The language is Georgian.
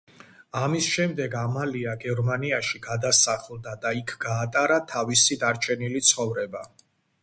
ამის შემდეგ ამალია გერმანიაში გადასახლდა და იქ გაატარა თავისი დარჩენილი ცხოვრება.